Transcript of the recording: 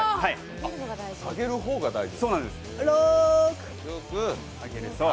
下げる方が大事。